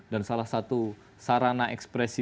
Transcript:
dan salah satu sarana ekspresi